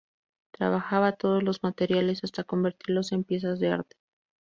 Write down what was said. Trabajaba todos los materiales hasta convertirlos en piezas de arte.